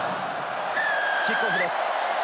キックオフです。